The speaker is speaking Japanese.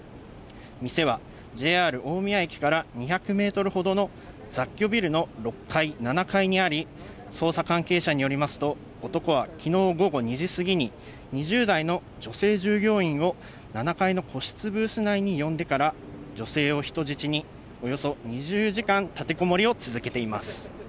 店はＪＲ大宮駅から２００ｍほどの雑居ビルの６階・７階にあり、捜査関係者によりますと、男は昨日午後２時過ぎに２０代の女性従業員を７階の個室ブース内に呼んでから女性を人質に、およそ２０時間、立てこもりを続けています。